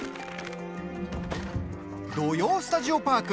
「土曜スタジオパーク」